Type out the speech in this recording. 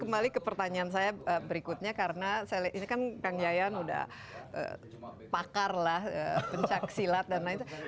kembali ke pertanyaan saya berikutnya karena saya lihat ini kan kang yayan udah pakar lah pencaksilat dan lain lain